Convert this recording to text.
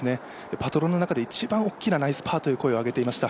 パトロンの中で一番大きなナイスパーという声を上げていました。